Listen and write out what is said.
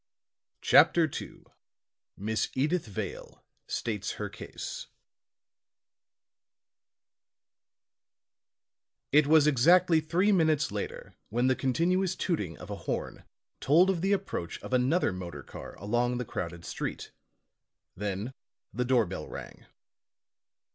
CHAPTER II MISS EDYTH VALE STATES HER CASE It was exactly three minutes later when the continuous tooting of a horn told of the approach of another motor car along the crowded street. Then the door bell rang.